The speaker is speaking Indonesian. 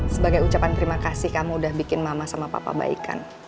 sebagai ucapan terima kasih kamu udah bikin mama sama papa baik kan